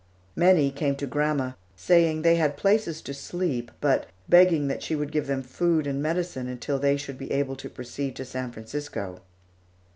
Many came to grandma, saying they had places to sleep but begging that she would give them food and medicine until they should be able to proceed to San Francisco.